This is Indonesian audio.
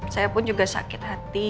saya pun juga sakit hati